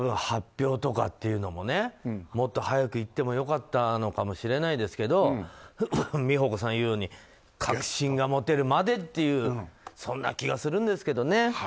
発表とかっていうのももっと早く言っても良かったのかもしれないですけど美保子さんが言うように確信が持てるまでというそんな気がするんですけどね。